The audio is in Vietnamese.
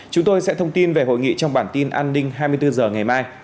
chúng tôi sẽ thông tin về hội nghị trong bản tin an ninh hai mươi bốn h ngày mai